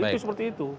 itu seperti itu